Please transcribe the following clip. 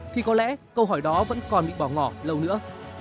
thì có lẽ câu hỏi đó vẫn còn bị bỏ ngỏ lâu nữa